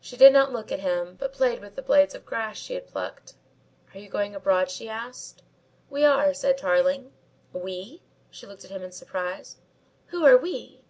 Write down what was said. She did not look at him, but played with the blades of grass she had plucked. "Are you going abroad?" she asked. "We are," said Tarling. "We?" she looked at him in surprise. "Who are we?"